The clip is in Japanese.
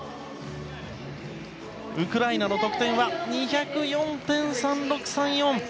ウクライナの得点は２０４．３６３４。